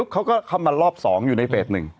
เขาก็เข้ามารอบ๒อยู่ในเฟส๑